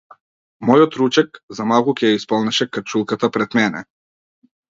Мојот ручек, за малку ќе ја исполнеше качулката пред мене.